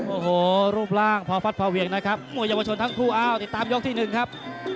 โอ้โหรูปร่างพอฟัดพอเวียงนะครับมวยเยาวชนทั้งคู่อ้าวติดตามยกที่หนึ่งครับ